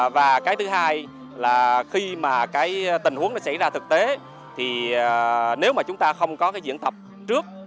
và cái thứ hai là khi mà cái tình huống nó xảy ra thực tế thì nếu mà chúng ta không có cái diễn tập trước